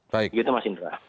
begitu mas indra